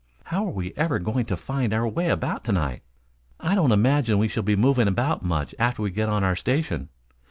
"How are we ever going to find our way about to night?" "I don't imagine we shall be moving about much after we get on our station.